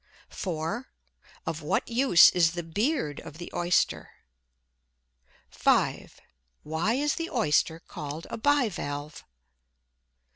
4. Of what use is the "beard" of the Oyster? 5. Why is the Oyster called a bi valve?